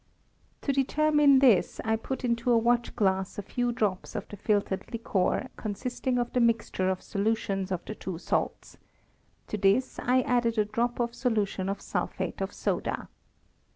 To deter mine this I put into a watch glass a few drops of the filtered liquor consisting of the mixture of solutions of the two salts : to this I added a drop of solution of sulphate of soda.